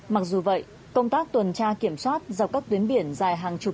mặc dù vậy công tác tuần tra kiểm soát dọc các tuyến biển dài hàng chục